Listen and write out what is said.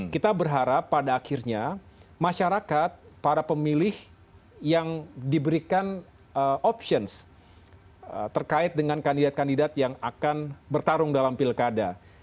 kita berharap pada akhirnya masyarakat para pemilih yang diberikan option terkait dengan kandidat kandidat yang akan bertarung dalam pilkada